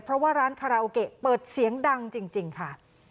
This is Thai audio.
เพราะว่าร้านคาราโอเกะเปิดเสียงดังจริงค่ะ